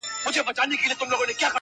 د يوسفي ښکلا له هر نظره نور را اورې~